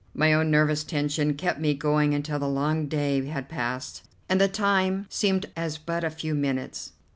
My own nervous tension kept me going until the long day had passed, and the time seemed as but a few minutes.